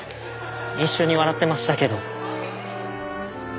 一緒に笑ってましたけど。